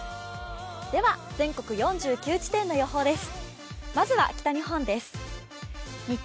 全国４９地点の予報です。